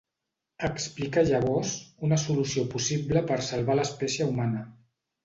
Explica llavors una solució possible per salvar l'espècie humana.